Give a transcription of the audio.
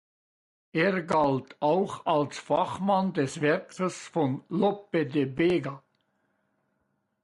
Er galt auch als Fachmann des Werkes von Lope de Vega.